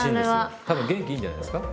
多分元気いいんじゃないですか？